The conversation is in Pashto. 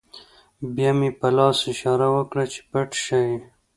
بیا مې په لاس اشاره وکړه چې پټ شئ